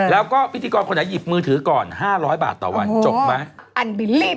แล้วก็พิธีกรคนไหนหยิบมือถือก่อน๕๐๐บาทต่อวันจบไหม